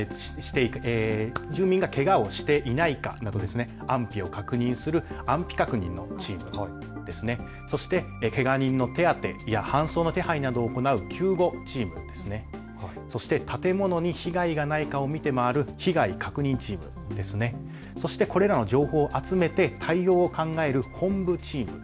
住民がけがをしていないかなど安否を確認する安否確認のチーム、そしてけが人の手当てや搬送の手配などを行う救護チーム、そして建物に被害がないかを見て回る被害確認チーム、そしてそれらの情報を集めて対応を考える本部チーム。